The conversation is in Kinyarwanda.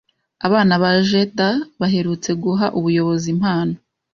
Abana ba Jetha baherutse guha ubuyobozi impano